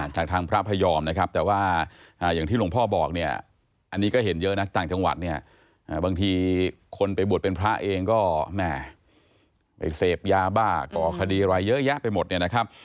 จากทางพระพยอมนะครับแต่ว่าอย่างที่หลวงพ่อบอกเนี่ยอันนี้ก็เห็นเยอะนะต่างจังหวัดเนี่ยบางทีคนไปบวชเป็นพระเองก็แม่ไปเสพยาบ้าก่อคดีอะไรเยอะแยะไปหมดเนี่ยนะครับ